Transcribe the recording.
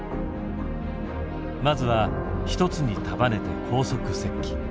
まずは一つに束ねて高速接近。